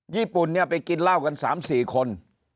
ญี่ปุ่นไปกินเหล้ากัน๓๔คน